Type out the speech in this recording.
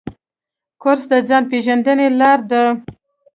کورس د ځان پېژندنې لاره ده.